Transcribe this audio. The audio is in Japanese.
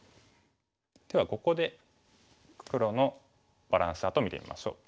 ではここで黒のバランスチャートを見てみましょう。